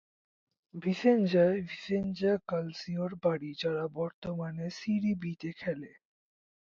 ভিসেঞ্জায় ভিসেঞ্জা কালসিওর বাড়ি, যারা বর্তমানে সিরি বি-তে খেলে।